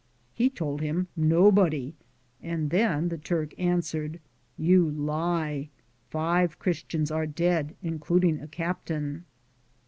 He told him "nobody," and then the Turk answered: " You lie ; five Christians are dead', includ ing a captain."